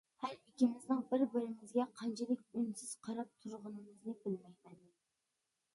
ھەر ئىككىمىزنىڭ بىر بىرىمىزگە قانچىلىك ئۈنسىز قاراپ تۇرغىنىمىزنى بىلمەيمەن.